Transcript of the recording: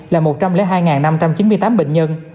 là một trăm linh hai năm trăm chín mươi tám bệnh nhân